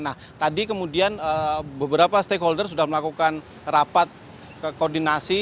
nah tadi kemudian beberapa stakeholder sudah melakukan rapat koordinasi